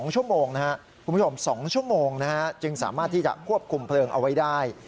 ๒ชั่วโมงนะฮะจึงสามารถที่จะควบคุมเพลิงเอาไว้ได้